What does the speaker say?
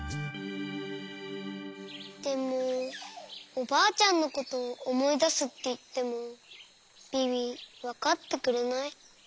でもおばあちゃんのことおもいだすっていってもビビわかってくれない。